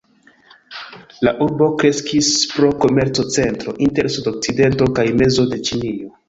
La urbo kreskis pro komerco-centro inter sudokcidento kaj mezo de Ĉinio.